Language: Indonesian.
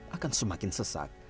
akan semakin sesak